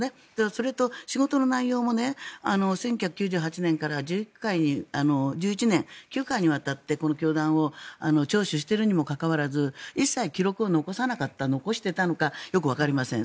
それと、仕事の内容も１９９８年から１１年、９回にわたってこの教団を聴取しているにもかかわらず一切記録を残さなかった残していたのかそれはよくわかりません。